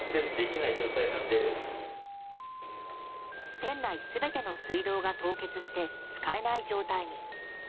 店内全ての水道が凍結して使えない状態に。